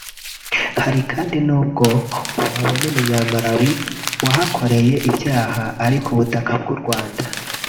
hari kandi n’ubwo wabona umunya-Malawi wahakoreye ibyaha ari ku butaka bw’u Rwanda